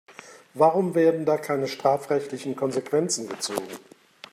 Warum werden da keine strafrechtlichen Konsequenzen gezogen?